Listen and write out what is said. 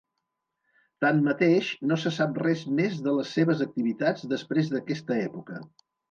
Tanmateix, no se sap res més de les seves activitats després d'aquesta època.